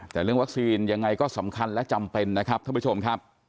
แต่เรื่องวัคซีนยังไงก็สำคัญและจำเป็นนะครับท่านผู้ชมครับ